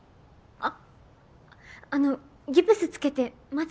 あっ！